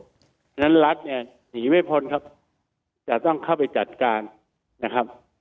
เพราะฉะนั้นรัฐเนี่ยหนีไม่พ้นครับจะต้องเข้าไปจัดการนะครับ